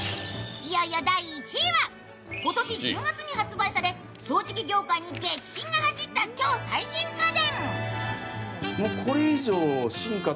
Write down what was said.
いよいよ第１位は、今年１０月に発売され掃除機業界に激震が走った超最新家電。